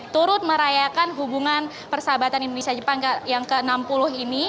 turut merayakan hubungan persahabatan indonesia jepang yang ke enam puluh ini